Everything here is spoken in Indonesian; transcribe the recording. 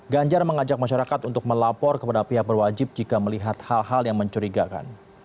ganjar mengajak masyarakat untuk melapor kepada pihak berwajib jika melihat hal hal yang mencurigakan